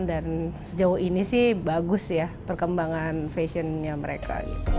dan sejauh ini sih bagus ya perkembangan fashion nya mereka